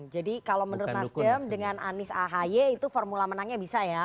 jadi kalau menurut nasdem dengan anies ahy itu formula menangnya bisa ya